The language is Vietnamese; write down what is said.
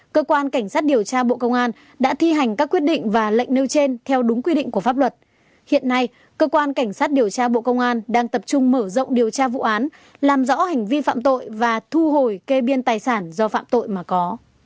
cơ quan cảnh sát điều tra bộ công an đang tập trung mở rộng điều tra vụ án làm rõ hành vi phạm tội và thu hồi kê biên tài sản do phạm tội mà có